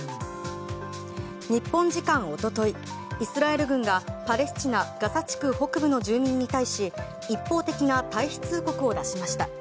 日本時間一昨日、イスラエル軍がパレスチナ・ガザ地区北部の住民に対し一方的な退避通告を出しました。